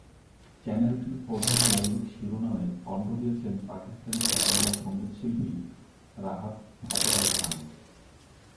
চ্যানেলটির প্রধান মৌলিক শিরোনামে কণ্ঠ দিয়েছেন পাকিস্তানি খ্যাতনামা সঙ্গীত শিল্পী রাহাত ফাতেহ আলী খান।